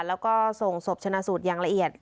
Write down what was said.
แล้วก็ส่งศพชนะสูตรอย่างละเอียด